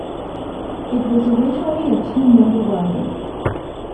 It was originally a two-member riding.